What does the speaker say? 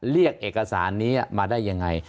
เรียกเอกสารนี้มาได้ยังไง